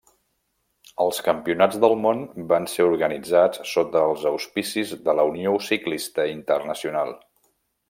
Els Campionats del món van ser organitzats sota els auspicis de la Unió Ciclista Internacional.